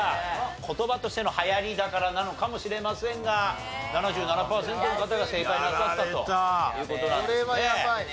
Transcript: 言葉としての流行りだからなのかもしれませんが７７パーセントの方が正解なさったという事なんですね。